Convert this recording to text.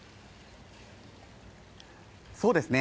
そうですね。